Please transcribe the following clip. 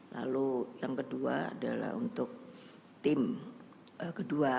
lalu yang kedua adalah untuk tim kedua